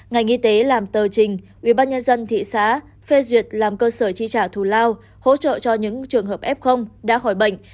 ngành y tế làm tờ trình ubnd thị xã phê duyệt làm cơ sở chi trả thù lao hỗ trợ cho những trường hợp f đã khỏi bệnh